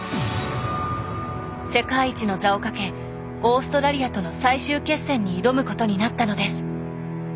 世界一の座をかけオーストラリアとの最終決戦に挑むことになったのです。